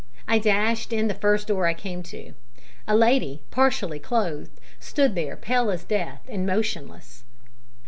I dashed in the first door I came to. A lady, partially clothed, stood there pale as death, and motionless.